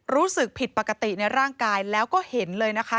รู้สึกผิดปกติในร่างกายแล้วก็เห็นเลยนะคะ